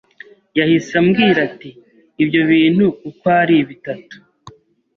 Yahise ambwira ati ibyo bintu uko ari bitatu